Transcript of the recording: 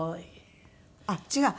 あっ違う。